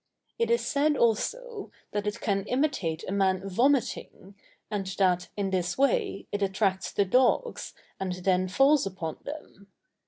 It is said also, that it can imitate a man vomiting, and that, in this way, it attracts the dogs, and then falls upon them.